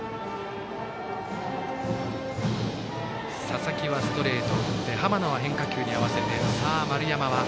佐々木はストレートを打ち濱野は変化球に合わせてさあ、丸山は。